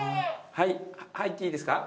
入っていいですか？